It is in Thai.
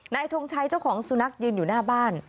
ทงชัยเจ้าของสุนัขยืนอยู่หน้าบ้าน